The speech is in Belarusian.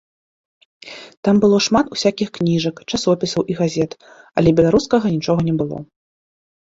Там было шмат усякіх кніжак, часопісаў і газет, але беларускага нічога не было.